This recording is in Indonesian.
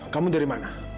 kamu dari mana